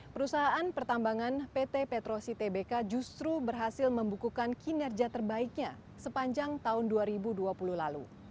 perusahaan pertambangan pt petrosi tbk justru berhasil membukukan kinerja terbaiknya sepanjang tahun dua ribu dua puluh lalu